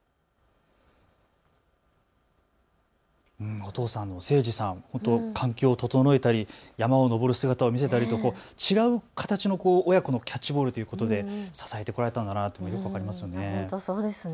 お父さんの清司さん、本当に環境を整えたり山を登る姿を見せたりとか違う形の親子のキャッチボールということで支えてこられたんだなとよく分かりますね。